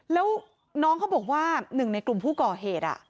แล้วน้องเขาบอกว่าหนึ่งในกลุ่มผู้ก่อเหตุ